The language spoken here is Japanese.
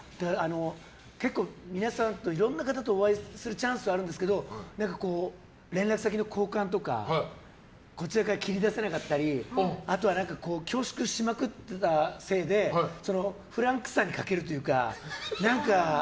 結構皆さんといろんな方とお会いするチャンスはあるんですけど連絡先の交換とかこちらから切り出せなかったりあとは恐縮しまくっていたせいでフランクさに欠けるというか。